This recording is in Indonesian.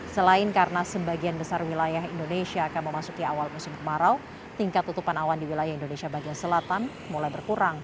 selain karena sebagian besar wilayah indonesia akan memasuki awal musim kemarau tingkat tutupan awan di wilayah indonesia bagian selatan mulai berkurang